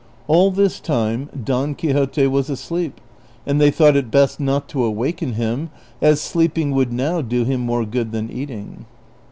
All this time Don Quixote was aslee]:), and they thought it best not to awaken him, as sleeping would now do him more good than eating.